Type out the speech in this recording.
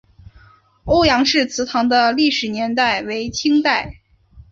欧阳氏祠堂的历史年代为清代。